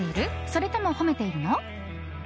それとも褒めているの？